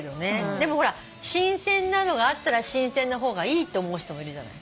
でもほら新鮮なのがあったら新鮮な方がいいって思う人もいるじゃない。